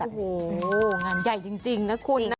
โอ้โหงานใหญ่จริงนะคุณนะ